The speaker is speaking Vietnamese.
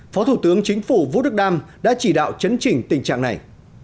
phó thủ tướng chính phủ vũ đức đam đã chỉ đạo chấn chỉnh tình trạng này